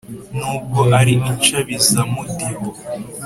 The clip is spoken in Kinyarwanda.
n’ubwo ari inshabizamudiho.